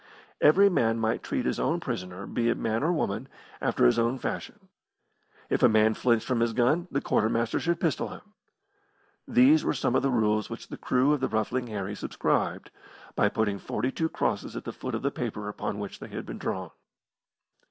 Every man might treat his own prisoner, be it man or woman, after his own fashion. If a man flinched from his gun, the quartermaster should pistol him. These were some of the rules which the crew of the Ruffling Harry subscribed by putting forty two crosses at the foot of the paper upon which they had been drawn.